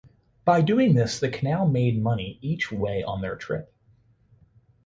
By doing this, the canal made money each way on their trip.